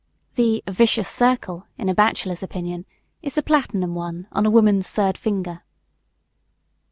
The "vicious circle" in a bachelor's opinion, is the platinum one on a woman's third finger.